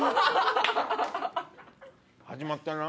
始まったな。